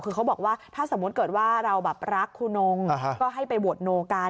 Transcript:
คือเขาบอกว่าถ้าสมมุติเกิดว่าเราแบบรักครูนงก็ให้ไปโหวตโนกัน